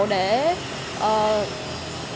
để có những cái hướng tiếp cận